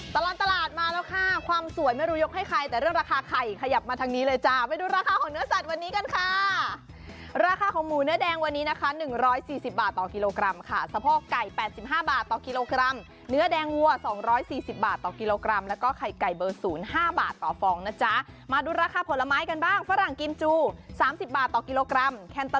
ตลอดตลาดมาแล้วค่ะความสวยไม่รู้ยกให้ใครแต่เรื่องราคาไข่ขยับมาทางนี้เลยจ้าไปดูราคาของเนื้อสัตว์วันนี้กันค่ะราคาของหมูเนื้อแดงวันนี้นะคะ๑๔๐บาทต่อกิโลกรัมค่ะสะโพกไก่๘๕บาทต่อกิโลกรัมเนื้อแดงวัว๒๔๐บาทต่อกิโลกรัมแล้วก็ไข่ไก่เบอร์๐๕บาทต่อฟองนะจ๊ะมาดูราคาผลไม้กันบ้างฝรั่งกิมจู๓๐บาทต่อกิโลกรัมแต